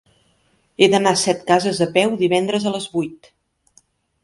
He d'anar a Setcases a peu divendres a les vuit.